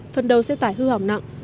phần đầu xe tải hư hỏng nặng